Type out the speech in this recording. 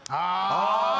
ああ。